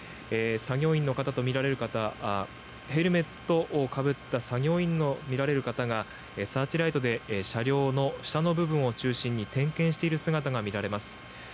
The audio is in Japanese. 作業員の方とみられる方ヘルメットをかぶった作業員とみられる方がサーチライトで車両の下の部分を中心に点検している姿が見られます。